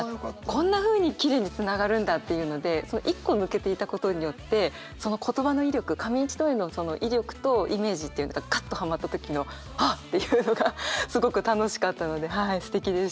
こんなふうにきれいにつながるんだっていうので一個抜けていたことによってその言葉の威力紙一重の威力とイメージっていうのがガッとハマった時のああっていうのがすごく楽しかったのですてきでした。